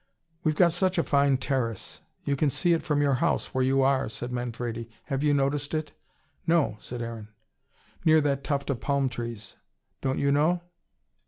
"We've got such a fine terrace you can see it from your house where you are," said Manfredi. "Have you noticed it?" "No," said Aaron. "Near that tuft of palm trees. Don't you know?"